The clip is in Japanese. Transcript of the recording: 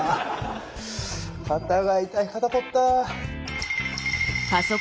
肩が痛い肩こった。